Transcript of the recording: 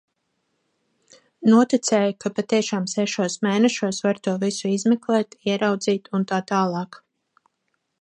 Noticēja, ka patiešām sešos mēnešos var to visu izmeklēt, ieraudzīt, un tā tālāk.